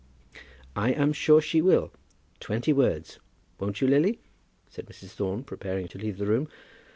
"I'm sure she will, twenty words; won't you, Lily?" said Mrs. Thorne, preparing to leave the room.